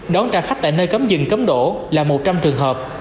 đón trả khách tại nơi cấm dừng cấm đổ là một trăm linh trường hợp